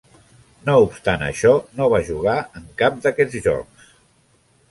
No obstant això, no va jugar en cap d'aquests jocs.